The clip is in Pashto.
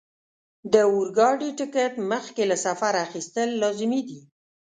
د اورګاډي ټکټ مخکې له سفره اخیستل لازمي دي.